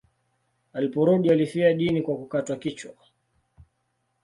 Aliporudi alifia dini kwa kukatwa kichwa.